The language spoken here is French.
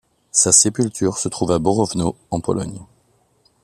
Sa sépulture se trouve à Borowno, en Pologne.